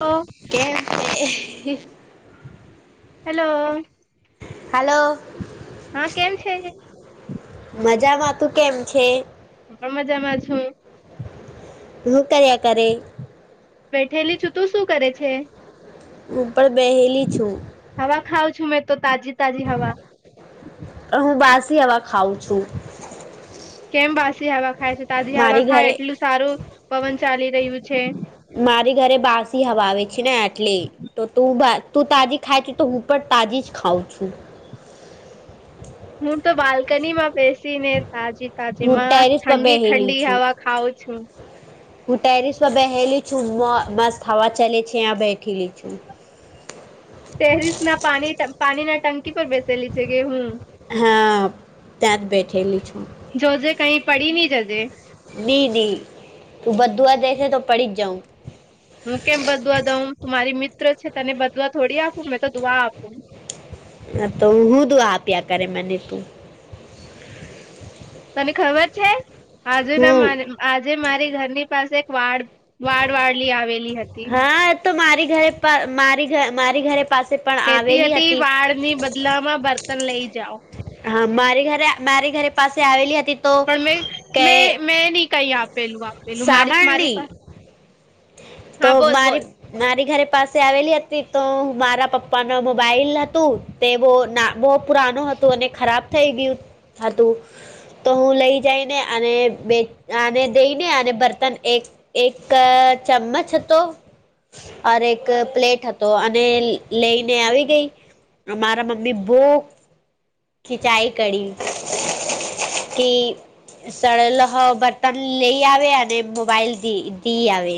હ કે hello hello હા કેમ છે મજામાં તું કેમ છે હું પણ મજામાં છું હું કર્યા કરે બેઠેલી છું તું શું કરે છે હું પણ બેહેલી છું હવા ખાઉં છું મેં તો તાજી તાજી હવા હું બાસી હવા ખાઉં છું કેમ બાસી હવા ખાય છે તાજી હવા મારી ખાય ઘરે એટલું સારું પવન ચાલી રહ્યું છે મારી ઘરે બાસી હવા આવે છે ને એટલી તો તું તું તાજી ખાય છે તો હું પણ તાજી જ ખાઉં છું હું તો બાલ્કની માં બેસી ને તાજી તાજી હું સ ટેરિસ પર ઠંડી બેહેલી ઠંડી છું. હવા ખઉ છું હું ટેરિસ માં બેલી છું મસ્ થવા ચાલે છે્યાં બેઠેલી છું ટેરિસ ના પા પાણી ના ટંકી પર બેસેલી છે કે હું હા ત્યાં જ બેઠેલી છું જોજે કઈ પડી નહી જજે નઈ નહી તું બધું જ દેસે તો પડી જ જાઉં હું કેમ બદવા દઉં તું મારી મિત્ર છે તને બદવા થોડી આપું મેં તો દુઆ આપું હ તો હું દું આપ્યા કરે મને તું તને ખબર છે આજુ ના હું મારે આજે મારી ઘરની પાસે એક વાળ વાડ વાળલી આવેલી હતી હા તો મારી ઘરે મારી મારી ઘરે પાસે પણ કેતી આવેલી હતી વાળ ની બદલા માં બર્તન લઈ જાઓ હા મારી ઘરે મારી ઘરે પાસે આવેલી હતી તો પણ મે કે મે મેં નહી કઈ આપેલું આપેલું મારી મારી સાંભળની પા તો મારી મારી ઘરે પાસે આવેલી હતી તો મારા પપ્પા ન મોબાઈલ હતું તે બહ ના બહુ પુરાનું હતું અને ખરાબ થઈ ગયું હતું તો હું લઈ જઈને અને બે આને દઈને અને બર્તન એક એક ચમ્મચ હતો અરે એક પ્લેટ હતો અને લઈને આવી ગઈ અમારા મમ્મી બહ ખિચાઈ કર કે સળલો બર્તન લઈ આવે અને મોબાઈલ દી આવે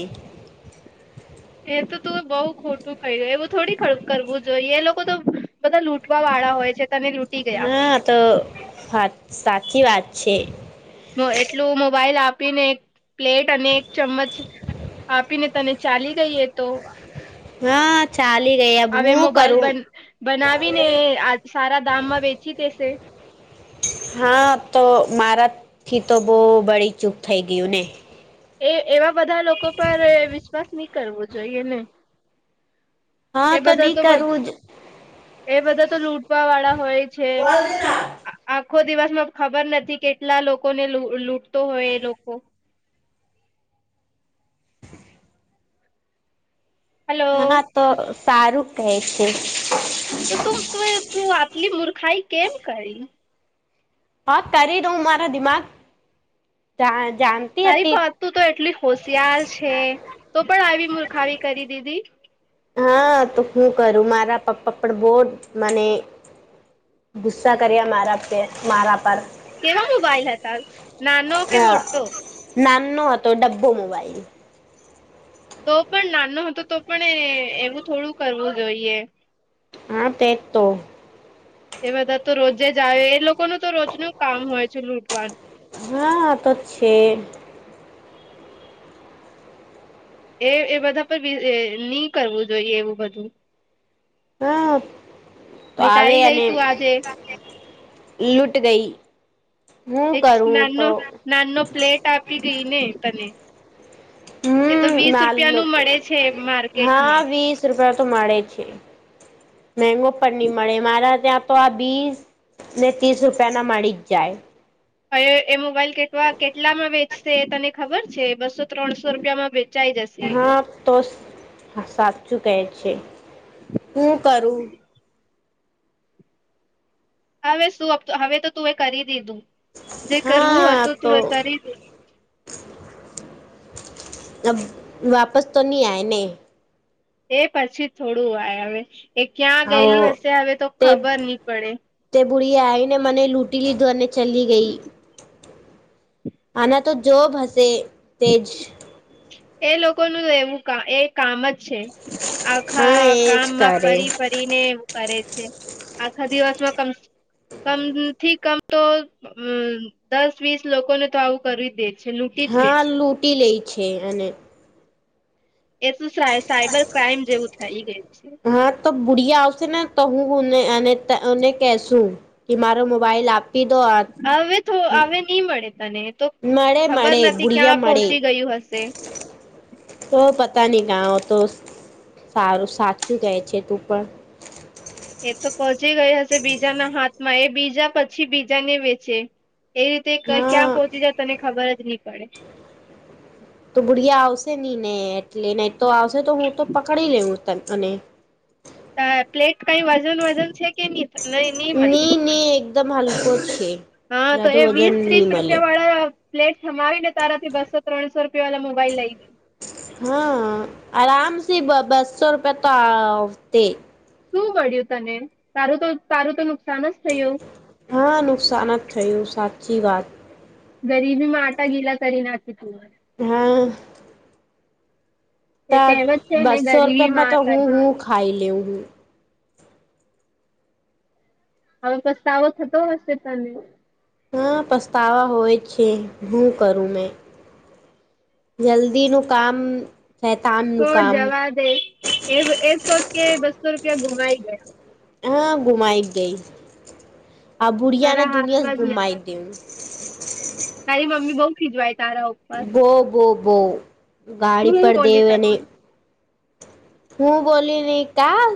એ તો તું બઉુ ખોટું ખાઈ ગય એવું થોડી કરવું જોઈએ એ લોકો તો બધા લૂંટવા વાળા હોય છે. તને લૂંટી ગયા હા તો વાત સાચી વાત છે. એટલું મોબાઈલ આપીને એક પ્લેટ અને એક ચમ્મચ આપીને તને ચાલી ગઈએ તો હા ચાલી ગઈ એ હું કરું બનાવી ને આ સારા દામમાં વેચી દેશે. હા તો મારા થી તો બહુ બળી ચૂક થઈ ગયું ને એ એવા બધા લોકો પર વિશ્વાસ નહી કરવો જોઈએને હા એ બધા નહી તો કરવું જ એ બધા તો લૂટવા વાળા હોય. આખો દિવસમાં ખબર નથી કેટલા લોકોને લુટે તો હોય એ લોકો હેલો હા તો સારું કહે છે તો તે આટલી મૂર્ખાઈ કેમ કરી? હ કરી દ મારા દિમાગ જ તારી પાતું તો એટલી હોશિયાર છે તો પણ આવી મુર્ખાવી કરી દીધી? હા તો હું કરું મારા પપ્પા પણ બહુ જ મને ગુસ્સા કર્યા મારા પર મારા પર કેવા મોબાઈલ હતા નાનો કે મોટો? નાનો હતો ડબ્બો મોબાઈલ તો પણ નાનો હતો તો પણ એવું થોડું કરવું જોઈએ. હા તે જ તો એ બધા તો રોજે જ આવે એ લોકોનું તો રોજનું કામ હોય છે લૂંટવાનુ હા તો છે એ એ બધા પર નહી કરવું જોઈએ એવું બધું હા તો આવે લૂંટાઈ ગઈ અને તું આજે લૂટ ગઈ હું એચ કરું નાાનો તો નાાનો પ્લેટ આપી ગઈ ને તને એ તો હમ વીસ રૂપિયા નાલો નું તો મળે છે હા માર્કેટમાં વીસ રૂપિયા તો મળે છે પણ નહી મળે મારા તો આ બીસ ને ત્રીસ રૂપિયાના મળી જ જાય હવે એ મોબાઈલ કેટલામાં વેચશે એ તને ખબર છે બસો ત્રણસો રૂપિયામાં વેચશે હા તો સાચું કેહે છે હું કરું? હવે શું હવે તો તું એ કરી દીધું જે કરવું હા હતું તો તું એ કરી દીધું. વાપસ તો નહી આવેને એ પછી થોડું વાય હવે એ ક્યાં હ ગયેલી હશે હવે તો તે ખબર નહી પડે. તે બુઢી આઈને મને લૂંટી લીધીને ચલી ગઈ આના તો જો ભહસે તેજ એ લોકોનું એવું એ કામ જ છે આખા હા એજ ગામમાં ફરી કરે ફરી કરીને એવું કરે છે આખા દિવસમાં કમ કમ થી કમ તો દસ વીસ લોકોને તો આવું કરી દે છે લૂંટી જ લે હા છે લૂંટી લે છે અને એ તો સાયબર ક્રાઈમ જેવું થઇ ગયું છે. હા તો બુઢિયા આવશે ને તો હું એને કેશું કે મારો મોબાઈલ આપ હવે હવે નહી મળે તને તો મળે ખબર મળે નથી બુઢિયા ક્યાં મળે પહોંચી ગયું હશે. તો પતા નહી ગા તો સારું સાચું કહે છે તું પણ એ તો પચી ગયા હશે બીજાના હાથમાં એ બીજા પછી બીજા ને વેચે એ રીતે ક્યાં હા પહોંચી જાય તને ખબર જ નહી પડે. તો ભુળિયા આવશે નહી ને એટલે નહી તો આવશે તો હું તો પકડી લેઉ ત અને પ્લેટ કઈ વજન વજન છે કે નહી નહી નહી મળ અને દમલકો છે હા તો જાદુ એ વજન વીસ નહી ત્રીસ મળે રૂપિયા વાળા પ્લેટ સમાવી ને તારાથી બસો્રણસો રૂપિયા વાળા મોબાઈલ લઈ લઈ હા આરામ સ બસો રૂપિયા તો આવતે શું મળિયું તને તારું તો તારું તો નુકસાન જ થયું હા નુકસાન જ થયું સાચી વાત ગરીબી મા આટા ગીલા કરી નાખી તુ હા ત એ કહેવત છે ને બસો ગરીબીમાં રૂપિયામાં તો આટા હું ગીલા હું ખાઈ લેઉ હું હવે તો સારૂ થતો હશે તને હા પછતાવા હોય છે હું કરું મેં જલ્દીનું કામ શૈતાનનું છોડ કામ જવા દે એ એજ સોચ કે બસો રૂપિયા ગુમાઈ ગયા હા ગુમાઈ ગઈ આ બુઢિયા ના તારા ધૂને જ હાથમાં નથી ગુમાઈ દવ તારી મમ્મી બઉુ ખીજવાય તારા ઉપર બો બો બો ગાડી હું પર બોલી દેવ તને અને હું બોલી નહી કા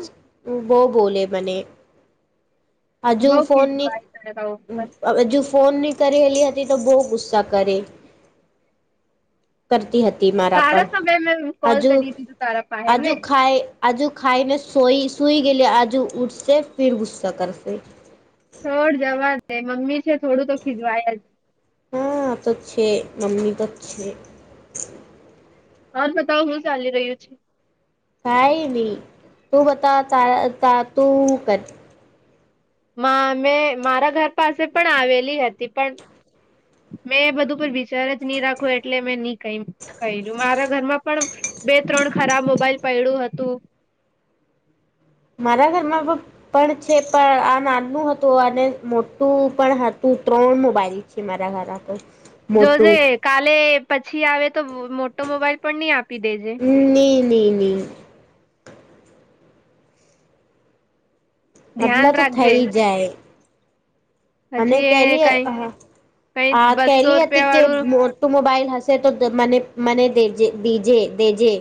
બહ બોલે મને હજુ બઉ ફોનની ખીજવાય તારા ઉપર વેજુ ફોન નહીં કરેલી હતી તો બહુ ગુસ્સા કરે કરતી હતી મારા પર તારા સમય મેં કોલ હજુ કરી દીધું તારા પાહે ને હજુ ખાય આજુ ખાાઈને સોઈ સઈ ગ આજુ ઉઠશે ફિર ગુસ્સા કરશે છોડ જવા દે મમ્મી છે થોડું તો ખીજવાય જ હા આ તો છે મમ્મી તો છે [unintelligible] કામ હું ચાલી રહ્યું છે કઈ નહી તું બતા ત ત તુ હુ કરતી મા મે મારા ઘર પાસે પણ આવેલી હતી પણ મેં બધું પર વિચાર જ નહી રાખો એટલે મેં નહી ક્યું મારા ઘરમાં પણ બે ત્રણ ખરાબ મોબાઈલ પયડુ હતું મારા ઘરમાં ફક્ત પણ છે પણ આ નાનનું હતું અને મોટું પણ હતું ત્રણ મોબાઈલ છે મારા ધરા પણ જોજે કાલે પછી આવે તો મોટો મોબાઈલ પણ નહી આપી દેજે ની ની ની ધ્યાન આટલા તો રાખજે થઈ જાય અને પછી એ કેલી કઈ કઈ આ બસો કેલી હતી રૂપિયા કે વાળું મો તો મોબાઈલ હંસે તો મને મને દેજ દીજે દેજે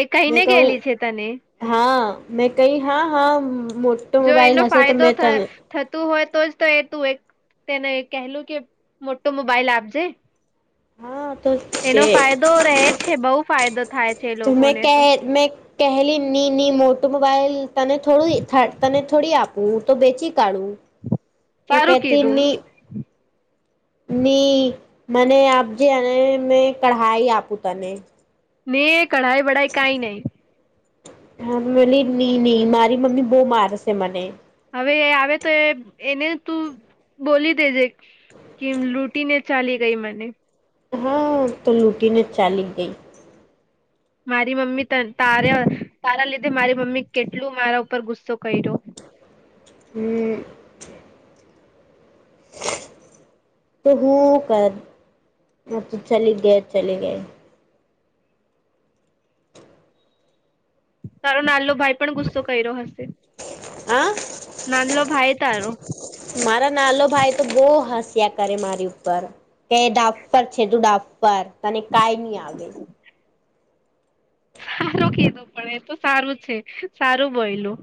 એ કહીને મેં કહું ગયલી છે તને હા મેં કઈ હા હા મોટો જો મોબાઈલ એનો હશે તો ફાયદો મેં ત થતું હોય તો જ તો એ તું એક તેને કહેલું કે મોટો મોબાઈલ આપજે હા તો છે એનો ફાયદો રહે છે બહુ ફાયદો થાય છે એ તમે લોકોને કે તો મે કહેલી ની ની મોટું મોબાઈલ તને થોડું તને થોડી આપું તો બેચી કાઢું તો સારું કેતી કીધું ની ની મને આપજે અને મેં કઢાઈ આપું તને મેં કઢાય વઢાય કઈ નહી મેં બોલી ની ની મારી મમ્મી બહુ મારશે મને હવે એ આવે તો એ એને તું બોલી દેજે કે લૂટી ને ચાલી ગઈ મને હા તો લૂંટીને જ ચાલી ગઈ મારી મમ્મી તારા તારા લીધે મારી મમ્મી કેટલું મારા ઉપર ગુસ્સો કર્યો હમ્મ તો હું કર મ તો ચલી ગયા ચલે ગયા તારો નાલો ભાઈ પણ ગુસ્સો કર્યો હશે હ નાંધલો ભાઈ તારો મારા નાલો ભાઈ તો બહ હસ્યા કરે મારી ઉપર કે ડાફર છે તું ડાફર તને કઈ નહી આવે [inaudible] સારો કીધો પડે તો સારું છે સારું બયલું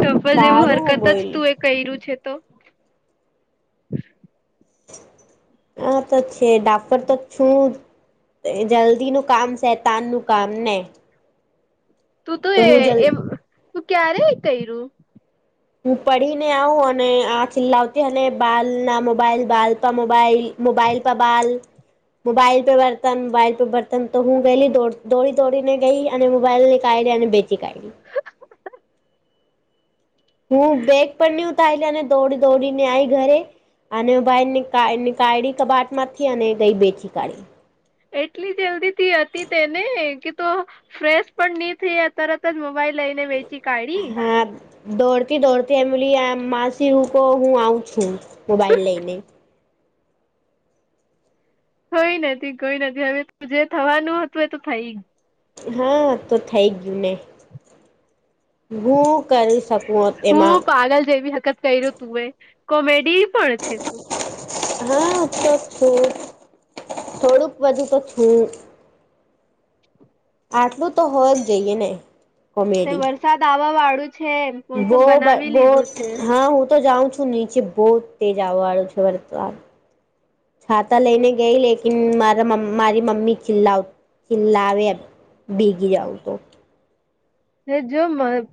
તો એવું સારું હું હરકત જ બોયલી તું એ કર્યું છે તો હા તો્ છેે ડાક્ટર તક છું જલ્દી નું કામ શેતાન નું કામ ને તું તો એ હું જલ એમ તું ક્યારે કર્યું હું પડીીને આવું અને આ છેલ્લા આવતી અને બાલ ના મોબાઈલ બાલપ મોબાઈલ મોબાઈલ પબાલ મોબાઈલ પે બર્તન મોબાઈલ પે બર્તન તો હું ગયેલીો દોડી દોડીને ગઈ અને મોબાઈલ ની કાઢી અને બેઠી શીકાય હું બેગ પણ હ ઉતારીલી અને દોડી દોડીને આ આવી ઘરે અને ભાઈ નીકાળી કબાટ માંથી અને ગઈ બેચી કાઢી એટલી જલ્દી થી હતી તેને કે તો ફ્રેશ પણ નહી થઈ ત જ મોબાઈલ લઈને વેચી કાઢી હા દોડતી દોડતી એમલી આ માસી હું હું આવું છું મોબાઈલ લઈને કોઈ નથી કોઈ નથી હવે જે થવાનું હતું એ તો થઈ ગ હા તો થઈ ગયું ને ગું કરી શકું એમાં પાગળ જેવી હકત કર્યું તું એ કોમેડી પણ છે તું હા તો છૂટ થોડુંક બાજુ તો છૂટ આટલું તો હો જ જઈએ ને કોમેડી વરસાદ આવવા વાળું છે એ બો બો હા હું તો જાઉ છું ન પ બહુ તેજ આવવા વાળું છે વર્તન છાતા લેને ગઈ લકન મારા મારી મમી ચિલ્લા છેિલ્લા આવે ભીગી જાાવ તો હ જો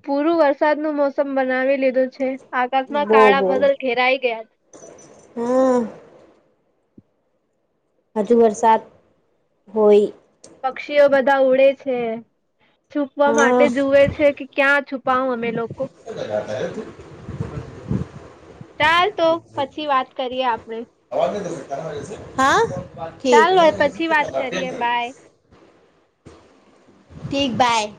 પૂરું વરસાદ નું મોસમ બનાવી લીધું છે આકાશમાં બો કાળા બો બદલ ઘેરાઈ ગયા હા હજુ વરસાદ હોય પક્ષીઓ બધા ઉડે છે છુપવા માટે હા જુએ છે કે ક્યાં છુપાવ અમે લોકો કદ ઘા થ તો ચાલ તો પછી વાત કરીએ આપડે ચાલો પછી વાત કરીએ હાઠક બાય ઠીક બાય